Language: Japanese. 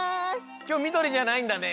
きょうみどりじゃないんだね。